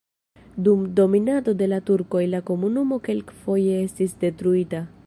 Dum dominado de la turkoj la komunumo kelkfoje estis detruita.